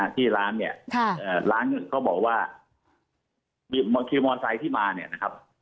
ที่ร้านเนี่ยร้านเขาบอกว่าคือมอไซค์ที่มาเนี่ยนะครับ